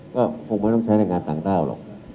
ก็คงไม่ต้องใช้แรงงานต่างด้าวหรอก